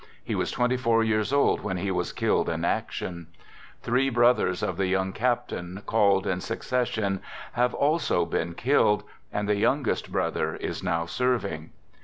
He was twenty four years old when he was " killed in action," Three brothers of the young captain, called in succession, have also been killed, and the youngest brother is now serving.